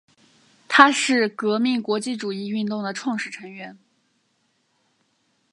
它是革命国际主义运动的创始成员。